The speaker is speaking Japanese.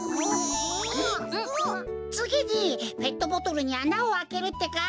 つぎにペットボトルにあなをあけるってか。